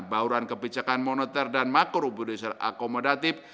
bauran kebijakan moneter dan makro budaya serta komodatif